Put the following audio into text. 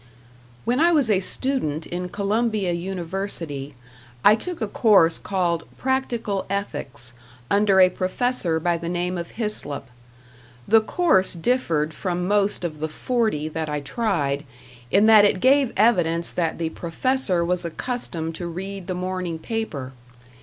When I was a student in Columbia University, I took a course called "Practical Ethics", under a professor by the name of Hyslop. The course differed from most of the forty that I tried, in that it gave evidence that the professor was accustomed to read the morning paper.